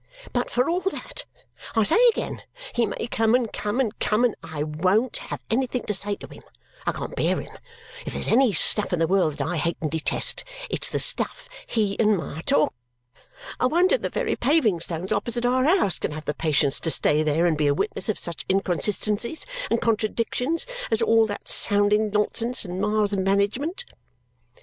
"But for all that, I say again, he may come, and come, and come, and I won't have anything to say to him. I can't bear him. If there's any stuff in the world that I hate and detest, it's the stuff he and Ma talk. I wonder the very paving stones opposite our house can have the patience to stay there and be a witness of such inconsistencies and contradictions as all that sounding nonsense, and Ma's management!"